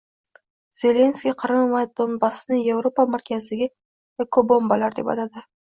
Zelenskiy Qrim va Donbassni Yevropa markazidagi ekobombalar deb atadi